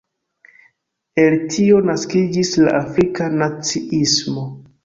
El tio naskiĝis la Afrika naciismo.